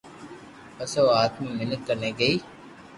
پسو او آتما مينک ڪني گئي